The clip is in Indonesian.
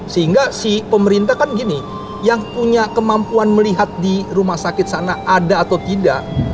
sehingga si pemerintah kan gini yang punya kemampuan melihat di rumah sakit sana ada atau tidak